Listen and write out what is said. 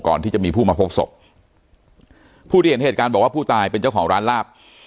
ก่อนที่จะมีผู้มาพบศพผู้ที่เห็นเหตุการณ์บอกว่าผู้ตายเป็นเจ้าของร้านลาบ